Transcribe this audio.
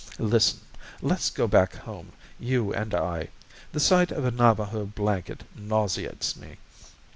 Listen. Let's go back home, you and I. The sight of a Navajo blanket nauseates me.